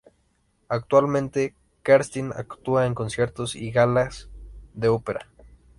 Actualmente Kerstin actúa en conciertos y galas de ópera.